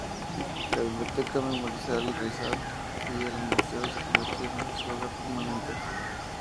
La biblioteca memorial Rizal y el Museo se convirtieron en su hogar permanente.